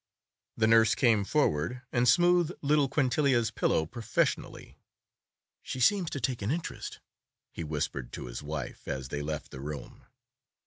The nurse came forward and smoothed little Quintilia's pillow professionally. "She seems to take an interest," he whispered to his wife as they left the room.